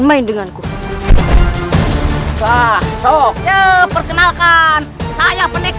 namun kemempuan itu bisa sangat while kamu punya hak yang baik